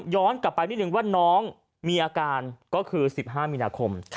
กลับไปนิดนึงว่าน้องมีอาการก็คือ๑๕มีนาคม